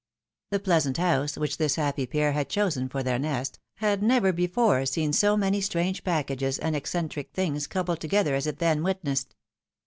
The pleasant house, which this happy pair had chosen for their nest, had never before seen so many strange packages and eccentric things coupled together as it then witnessed.